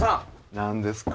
何ですか？